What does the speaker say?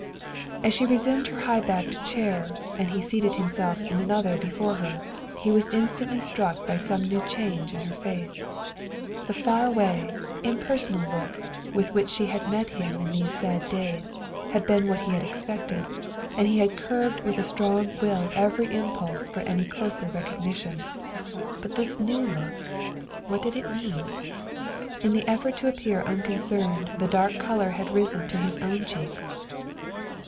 As she resumed her high backed chair and he seated himself in another before her, he was instantly struck by some new change in her face. The faraway, impersonal look with which she had met him in these sad days had been what he had expected, and he had curbed with a strong will every impulse for any closer recognition. But this new look, what did it mean? In the effort to appear unconcerned the dark color had risen to his own cheeks.